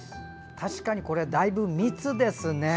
確かにこれはだいぶ密ですね。